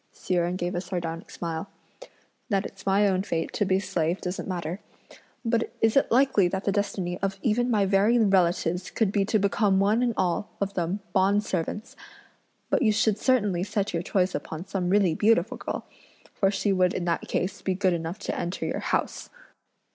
Hsi Jen gave a sardonic smile. "That it's my own fate to be a slave doesn't matter, but is it likely that the destiny of even my very relatives could be to become one and all of them bond servants? But you should certainly set your choice upon some really beautiful girl, for she would in that case be good enough to enter your house."